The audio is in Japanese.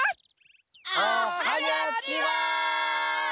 おはにゃちは！